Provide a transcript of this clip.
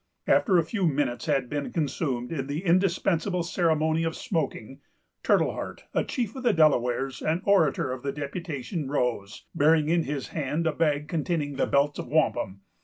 After a few minutes had been consumed in the indispensable ceremony of smoking, Turtle Heart, a chief of the Delawares, and orator of the deputation, rose, bearing in his hand a bag containing the belts of wampum.